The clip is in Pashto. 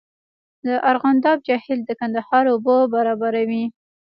د ارغنداب جهیل د کندهار اوبه برابروي